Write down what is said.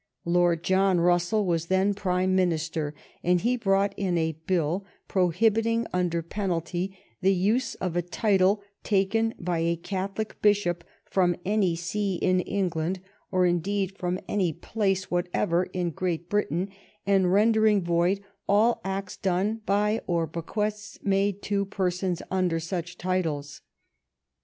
Lord John Russell was then Prime Minister, and he brought in a bill prohibiting under penalty the use of a title taken by a Catholic Bishop from any see in England, or, indeed, from any place whatever in Great Britain, and rendering void all acts done by or bequests made to persons under such titles.